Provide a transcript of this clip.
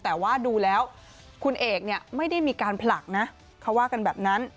แต่ว่าดูแล้วคุณเอกเนี่ยไม่ได้มีการผลักนะเขาว่ากันแบบนั้น